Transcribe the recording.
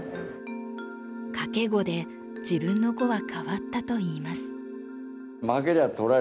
賭け碁で自分の碁は変わったといいます。